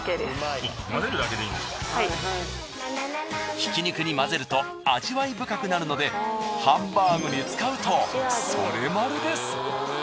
ひき肉に混ぜると味わい深くなるのでハンバーグに使うとソレマルです。